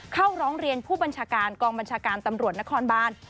เข้าร้องเรียนผู้บัญชาการกองบัญชาการตำรวจนครบาน